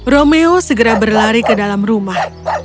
romeo segera berlari ke dalam rumah